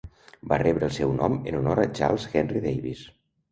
Va rebre el seu nom en honor a Charles Henry Davis.